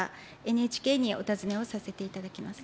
ＮＨＫにお尋ねをさせていただきます。